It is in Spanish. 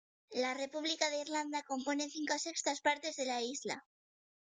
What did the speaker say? La República de Irlanda compone cinco sextas partes de la isla.